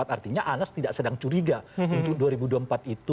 artinya anas tidak sedang curiga untuk dua ribu dua puluh empat itu